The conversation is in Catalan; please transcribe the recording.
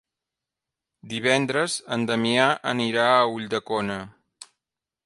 Divendres en Damià anirà a Ulldecona.